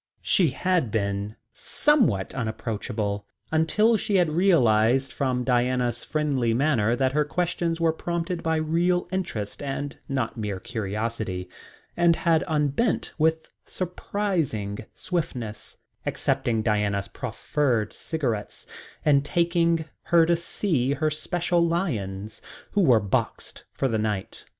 She had been somewhat unapproachable until she had realised from Diana's friendly manner that her questions were prompted by real interest and not mere curiosity, and had unbent with surprising swiftness, accepting Diana's proffered cigarettes and taking her to see her special lions, who were boxed for the night.